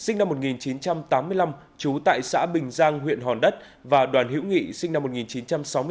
năm một nghìn chín trăm tám mươi năm trú tại xã bình giang huyện hòn đất và đoàn hữu nghị sinh năm một nghìn chín trăm sáu mươi tám